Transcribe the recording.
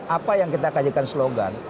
apa yang kita kajikan slogan